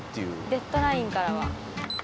デッドラインからは。